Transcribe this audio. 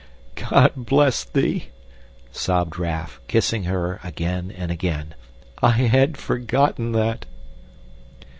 "God bless thee," sobbed Raff, kissing her again and again. "I had forgotten that!"